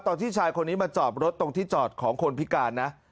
ชายคนนี้มาจอดรถตรงที่จอดของคนพิการนะ